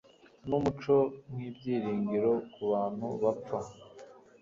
Numucyo nkibyiringiro kubantu bapfa